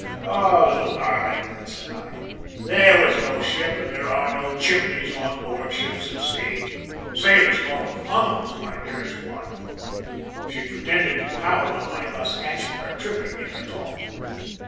"`Little darling,' said I, `there was no ship, and there are no "chimneys" on board ships at sea. Sailors call them funnels, my dearest one.' "She pretended to pout on my thus catching her tripping in her talk.